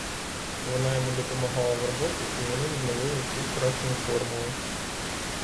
Вона йому допомагала в роботі, і вони відновили всі втрачені формули.